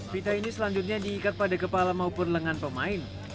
pita ini selanjutnya diikat pada kepala maupun lengan pemain